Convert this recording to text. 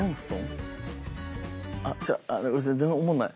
あっちゃう全然おもんない。